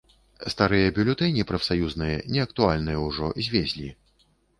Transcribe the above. Старыя бюлетэні прафсаюзныя, неактуальныя ўжо, звезлі.